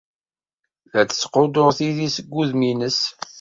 La d-tettquddur tidi seg wudem-nnes.